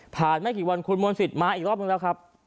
ไม่กี่วันคุณมนต์สิทธิ์มาอีกรอบนึงแล้วครับ